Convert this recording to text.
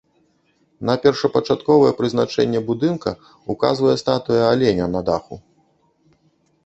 На першапачатковае прызначэнне будынка ўказвае статуя аленя на даху.